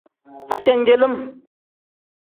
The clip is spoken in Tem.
Ajenjelim.